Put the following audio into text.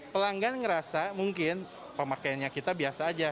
pelanggan ngerasa mungkin pemakaiannya kita biasa aja